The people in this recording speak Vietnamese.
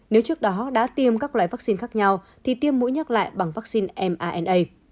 nếu trước đó đã tiêm các loại vaccine khác nhau thì tiêm mũi nhắc lại bằng vaccine mana